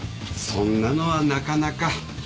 そんなのはなかなか。